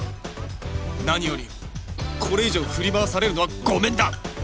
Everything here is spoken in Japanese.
何よりこれ以上振り回されるのはごめんだ！